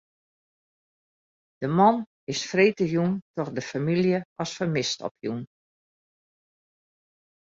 De man is freedtejûn troch de famylje as fermist opjûn.